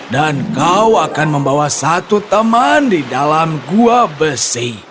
dan kau akan membawa satu teman di dalam gua besi